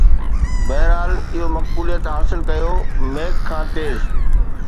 بهرحال، اهو مقبوليت حاصل ڪيو Mac کان تيز